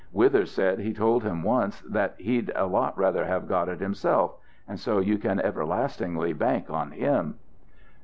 Withers said he told him once that he'd a lot rather have got it himself so you can everlastingly bank on him!"